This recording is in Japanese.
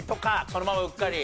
そのままうっかり？